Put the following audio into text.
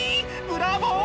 ブラボー！